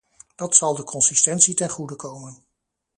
Dat zal de consistentie ten goede komen.